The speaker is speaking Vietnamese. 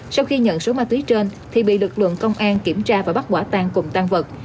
trong khi nhận số ma túy trên thì bị lực lượng công an kiểm tra và bắt quả tang cùng tang vật